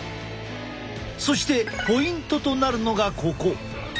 そしてポイントとなるのがここ。